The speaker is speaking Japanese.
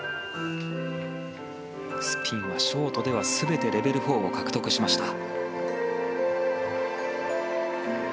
スピンはショートでは全てレベル４を獲得しました。